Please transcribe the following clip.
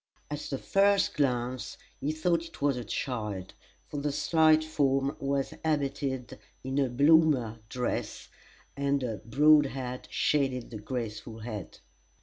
At the first glance he thought it was a child, for the slight form was habited in a Bloomer dress, and a broad hat shaded the graceful head.